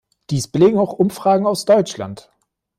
Dies belegen auch Umfragen aus Deutschland.